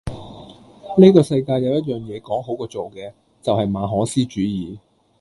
依個世界有一樣野講好過做嘅，就係馬可思主義!